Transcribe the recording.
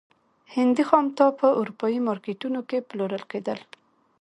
هندي خامتا په اروپايي مارکېټونو کې پلورل کېدل.